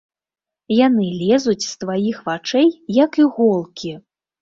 Яны лезуць з тваіх вачэй, як іголкі.